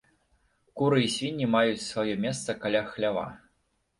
Куры і свінні маюць сваё месца каля хлява.